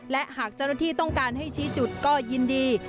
และหากเจ้าหน้าที่ต้องการให้ชี้จุดก็ยินดี